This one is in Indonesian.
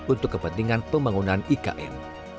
untuk kepentingan pembangunan ikn